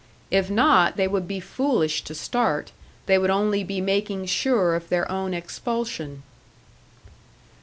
If not, they would be foolish to start, they would only be making sure of their own expulsion.